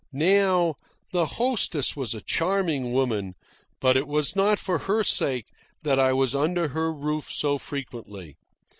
Now, the hostess was a charming woman, but it was not for her sake that I was under her roof so frequently.